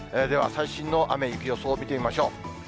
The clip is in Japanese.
では、最新の雨、雪予想を見てみましょう。